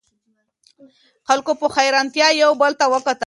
خلکو په حیرانتیا یو بل ته کتل.